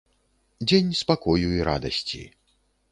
Дзень спакою і радасці.